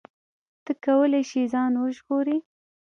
ته کولی شې ځان وژغورې.